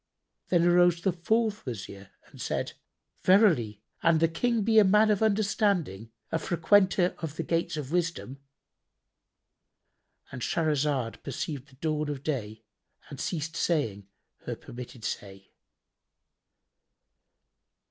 Then arose the fourth Wazir and said, "Verily, an the King be a man of understanding, a frequenter of the gates of wisdom,"—And Shahrazad perceived the dawn of day and ceased saying her permitted say.